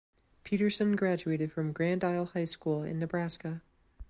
Peterson Graduated from Grand Isle High School in Nebraska.